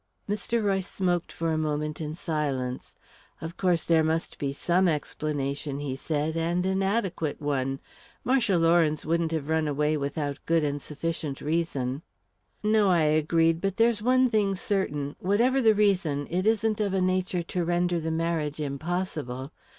Mr. Royce smoked for a moment in silence. "Of course there must be some explanation," he said, "and an adequate one. Marcia Lawrence wouldn't have run away without good and sufficient reason." "No," I agreed, "but there's one thing certain whatever the reason, it isn't of a nature to render the marriage impossible.